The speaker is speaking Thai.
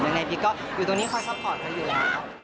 ยังไงพีคก็อยู่ตรงนี้คอยซัพพอร์ตเขาอยู่แล้ว